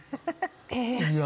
いや。